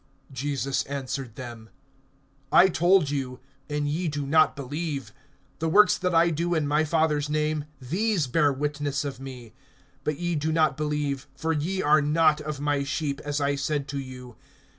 (25)Jesus answered them: I told you, and ye do not believe. The works that I do in my Father's name, these bear witness of me. (26)But ye do not believe; for ye are not of my sheep, as I said to you.